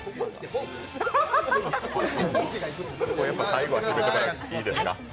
最後は締めてもらっていいですか。